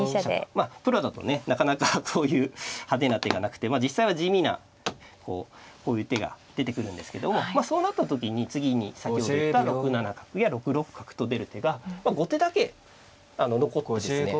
まあプロだとねなかなかそういう派手な手がなくて実際は地味なこういう手が出てくるんですけどもそうなった時に次に先ほど言った６七角や６六角と出る手が後手だけ残ってですね